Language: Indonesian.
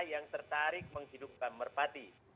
yang tertarik menghidupkan merpati